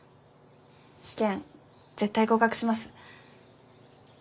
試験絶対合格します。